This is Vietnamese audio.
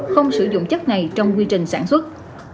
không sử dụng chất này trong quy trình sản xuất